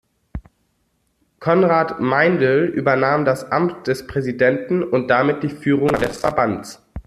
Konrad Meindl übernahm das Amt des Präsidenten und damit die Führung des Verbands.